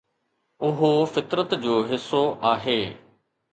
اهو فطرت جو حصو آهي